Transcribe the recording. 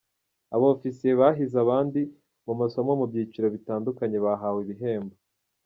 Abofisiye bahize abandi mu masomo mu byiciro bitandukanye bahawe ibihembo.